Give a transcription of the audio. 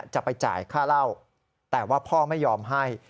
จะไปจ่ายค่าเหล้าแต่ว่าพ่อไม่ยอมให้